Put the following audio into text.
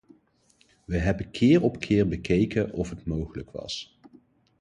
We hebben keer op keer bekeken of het mogelijk was.